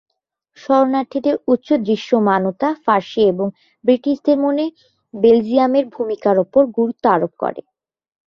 শরণার্থীদের উচ্চ দৃশ্যমানতা ফরাসি এবং ব্রিটিশদের মনে বেলজিয়ামের ভূমিকার উপর গুরুত্ব আরোপ করে।